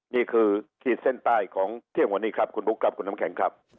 ขีดเส้นใต้ของเที่ยงวันนี้ครับคุณบุ๊คครับคุณน้ำแข็งครับ